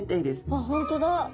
あっ本当だ！